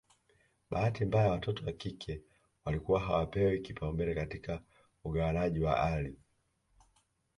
Bahati mbaya watoto wa kike walikuwa hawapewi kipaumbele katika ugawanaji wa ardhi